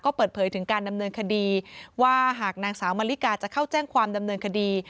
ก็เปิดเผยถึงการดำเนินคดีว่าหากนางสาวมะลิกาจะเข้าแจ้งความดำเนินคดี